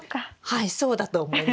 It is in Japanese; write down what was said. はいそうだと思います。